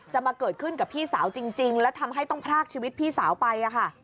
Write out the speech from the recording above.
มาเกิดขึ้นกับพี่สาวจริงแล้วทำให้ต้องพรากชีวิตพี่สาวไปค่ะ